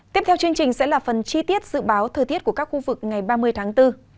tiếp theo chương trình sẽ là phần chi tiết dự báo thời tiết của các khu vực ngày ba mươi tháng bốn